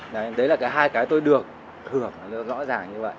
đấy là cái hai cái tôi được hưởng rõ ràng như vậy